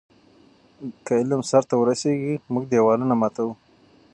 که علم سرته ورسیږي، موږ دیوالونه ماتوو.